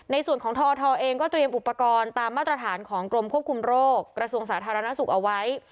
ในส่วนของทอทเองก็เตรียมอุปกรณ์ตามมาตรฐานของกรมควบคุมโรคกระทรวงสาธารณสุขเอาไว้